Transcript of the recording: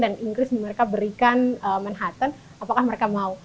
dan inggris mereka berikan manhattan apakah mereka mau